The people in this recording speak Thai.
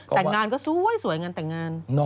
แต่งงานก็สวยตาร์